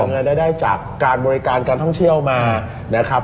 รายได้จากการบริการการท่องเที่ยวมานะครับ